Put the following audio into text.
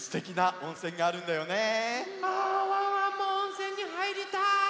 あワンワンもおんせんにはいりたい。